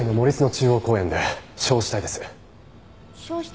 中央公園で焼死体です。